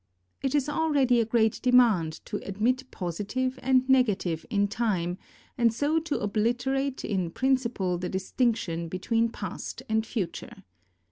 It is already a great demand, to admit positive and nega tive in Time and so to obliterate in principle the dis tinction between past and future.